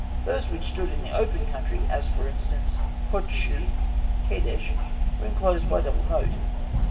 Those which stood in the open country, as, for instance, Qodshû (Kadesh), were enclosed by a double moat (fig.